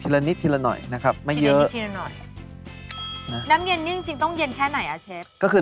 ทีละนิดทีละหน่อยนะครับไม่เยอะ